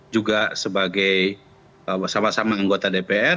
juga sebagai sama sama anggota dpr